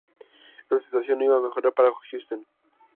Esta situación no iba a mejorar para Houston.